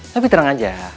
tapi terang aja